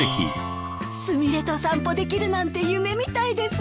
スミレと散歩できるなんて夢みたいです。